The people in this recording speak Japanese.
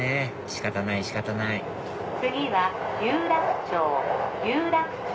仕方ない仕方ない次は有楽町有楽町。